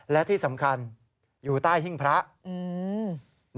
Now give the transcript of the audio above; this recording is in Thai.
และที่สำคัญอยู่ใต้หิ้งพระอืม